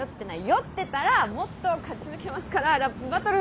酔ってたらもっと勝ち抜けますからラップバトル。